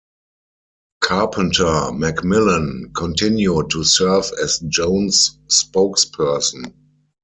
Carpenter-McMillan continued to serve as Jones' spokesperson.